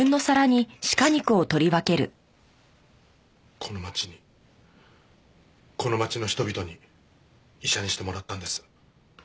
この町にこの町の人々に医者にしてもらったんです。